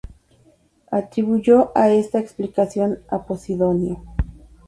Atribuyó esta explicación a Posidonio.